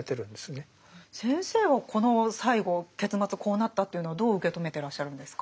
先生はこの最後結末こうなったっていうのはどう受け止めてらっしゃるんですか？